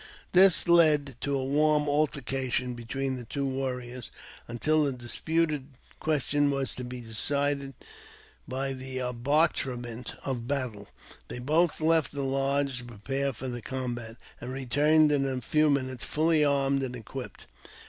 This led to a warm altercation between the two war riors, until the disputed question was to be decided by the arbitrament of battle. They both left the lodge to prepare for the combat, and returned in a few minutes fully armed and equipped.